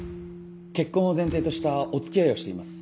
結婚を前提としたお付き合いをしています。